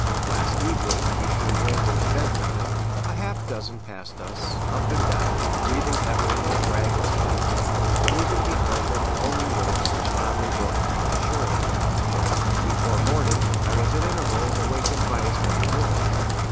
Last evening, between landing and bedtime, a half dozen passed us, up and down, breathing heavily as dragons might, and leaving behind them foamy wakes which loudly broke upon the shore. Before morning, I was at intervals awakened by as many more.